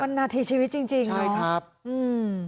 ปัญหาทีชีวิตจริงเนอะใช่ครับอืม